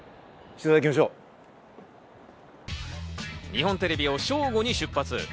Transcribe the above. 日本テレビを正午に出発。